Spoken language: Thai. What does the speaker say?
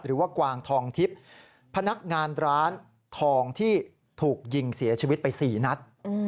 กวางทองทิพย์พนักงานร้านทองที่ถูกยิงเสียชีวิตไป๔นัด